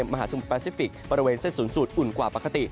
มหาสมุทรประสิฟิกส์ประเวณเส้นสูญสุดอุ่นกว่าปกติ